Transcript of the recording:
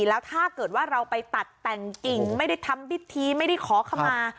แล้วถ้าเกิดว่าเราไปตัดแต่งกิ่งไม่ได้ทำพิธีไม่ได้ขอขมา